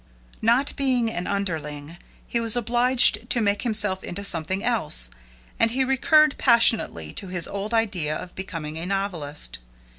Not being an underling, he was obliged to make himself into something else, and he recurred passionately to his old idea of becoming a novelist.